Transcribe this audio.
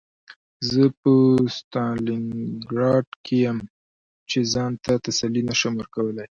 زه په ستالینګراډ کې یم چې ځان ته تسلي نشم ورکولی